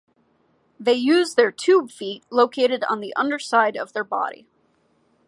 They use their tube feet located on the underside of their body.